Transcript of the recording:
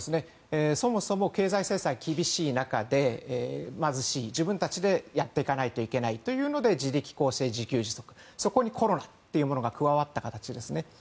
そもそも経済制裁が厳しい中で貧しい自分たちでやっていかなきゃいけないというので自力更生、自給自足そこでコロナというものが加わった形です。